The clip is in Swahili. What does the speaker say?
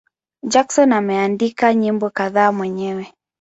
Jackson ameandika nyimbo kadhaa mwenyewe.